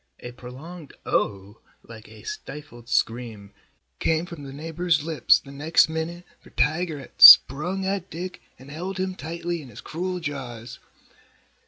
A prolonged "Oh!" like a stifled scream came from the neighbor's lips the next minute for Tiger had sprung at Dick and held him tightly in his cruel jaws.